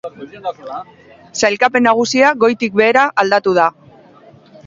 Sailkapen nagusia goitik behera aldatu da.